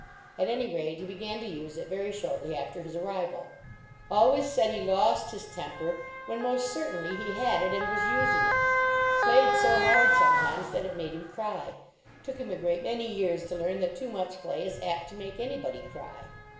At any rate, he began to use it very shortly after his arrival. Always said he lost his temper, when most 5 ALPHA certainly he had it and was using it. Played so hard sometimes that it made him cry. Took him a great many years to learn that too much play is apt to make anybody cry.